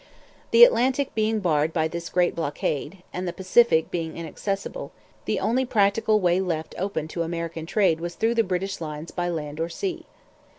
The Atlantic being barred by this Great Blockade, and the Pacific being inaccessible, the only practical way left open to American trade was through the British lines by land or sea.